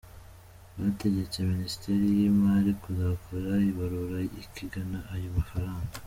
Rwategetse Minisiteri y’imari kuzakora ibarura ikagena ayo mafaranga.